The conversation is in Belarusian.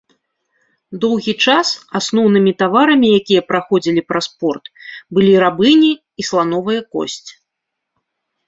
Доўгі час асноўнымі таварамі, якія праходзілі праз порт, былі рабыні і слановая косць.